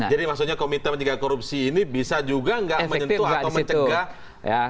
jadi maksudnya komite pencegahan korupsi ini bisa juga nggak menyentuh atau mencegah